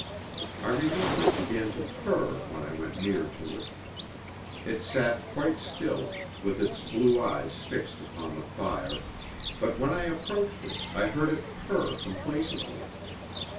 I remember it began to purr when I went near to it. It sat quite still, with its blue eyes fixed upon the fire, but when I approached it I heard it purr complacently.